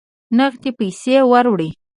نغدي پیسې وروړي.